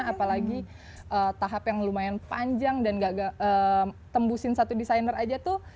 apalagi tahap yang lumayan panjang dan gak tembusin satu desainer aja tuh